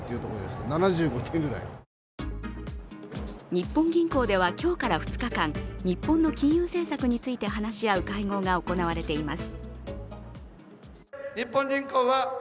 日本銀行では、今日から２日間日本の金融政策について話し合う会合が行われています。